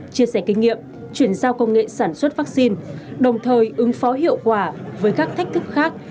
chia sẻ kinh nghiệm chuyển giao công nghệ sản xuất vaccine đồng thời ứng phó hiệu quả với các thách thức khác